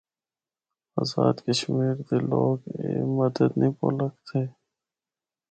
آزاد کشمیر دے لوگ اے مدد نیں بھُل ہکدے۔